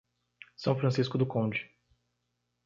São Francisco do Conde